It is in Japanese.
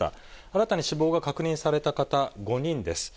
新たに死亡が確認された方、５人です。